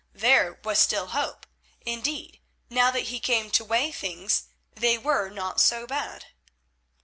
There was still hope; indeed, now that he came to weigh things, they were not so bad.